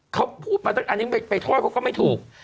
เขาพูดมาตั้งอันนี้ไปโทษเขาก็ไม่ถูก